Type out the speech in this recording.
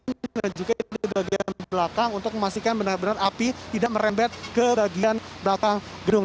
ini juga di bagian belakang untuk memastikan benar benar api tidak merembet ke bagian belakang gedung